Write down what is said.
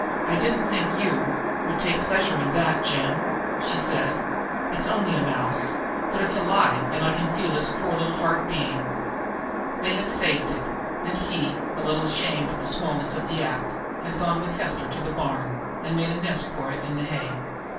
"I didn't think you would take pleasure in that, Jim," she said. "It's only a mouse, but it's alive, and I can feel its poor little heart beating!" They had saved it, and he, a little ashamed at the smallness of the act, had gone with Hester to the barn and made a nest for it in the hay.